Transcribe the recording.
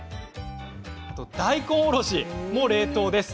大根おろしも冷凍です。